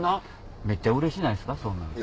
めっちゃうれしないですかそんなん。